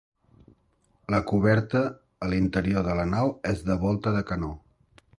La coberta a l'interior de la nau és de volta de canó.